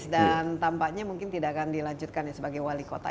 dan tampaknya mungkin tidak akan dilanjutkan sebagai wali kota